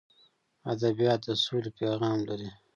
ادبیات د سولې پیغام لري.